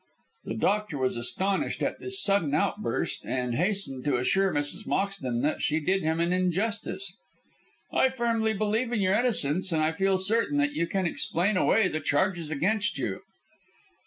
The doctor was astonished at this sudden outburst, and hastened to assure Mrs. Moxton that she did him an injustice. "I firmly believe in your innocence, and I feel certain that you can explain away the charges against you."